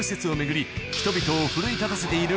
人々を奮い立たせている